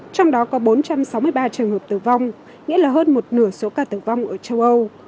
trong đó có bốn trăm sáu mươi ba trường hợp tử vong nghĩa là hơn một nửa số ca tử vong ở châu âu